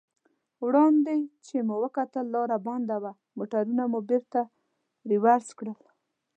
وړاندې چې مو وکتل لار بنده وه، موټرونه مو بېرته رېورس کړل.